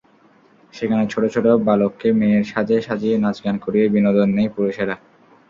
সেখানে ছোট ছোট বালককে মেয়ের সাজে সাজিয়ে নাচগান করিয়ে বিনোদন নেয় পুরুষেরা।